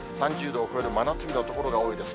３０度を超える真夏日の所が多いです。